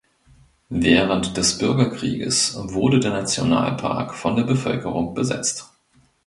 Während des Bürgerkrieges wurde der Nationalpark von der Bevölkerung besetzt.